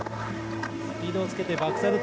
スピードをつけてバックサイド。